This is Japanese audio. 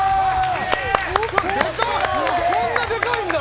こんなでかいんだ。